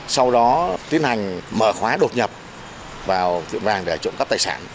sau đó tiến hành mở khóa đột nhập vào tiệm vàng để trộm cắp tài sản